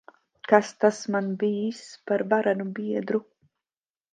Kas tas man bijis par varenu biedru!